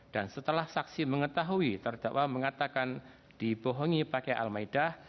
dan setelah saksi mengetahui terdakwa mengatakan dibohongi pakai al maidah